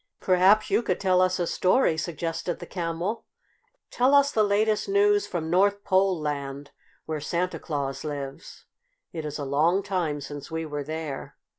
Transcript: "Perhaps you could tell us a story," suggested the Camel. "Tell us the latest news from North Pole Land, where Santa Claus lives. It is a long time since we were there."